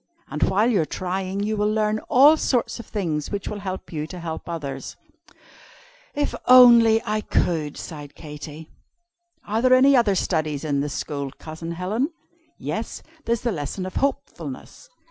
And while you are trying, you will learn all sorts of things which will help you to help others." "If I only could!" sighed Katy. "Are there any other studies in the School, Cousin Helen?" "Yes, there's the lesson of Hopefulness.